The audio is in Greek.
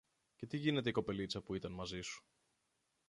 Και τι γίνεται η κοπελίτσα που ήταν μαζί σου;